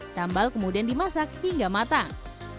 sambal kemudian dimasak hingga matang